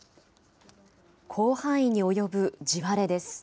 広範囲に及ぶ地割れです。